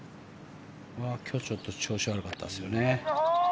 今日ちょっと調子悪かったですよね。